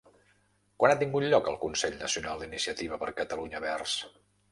Quan ha tingut lloc el Consell Nacional d'Iniciativa per Catalunya Verds?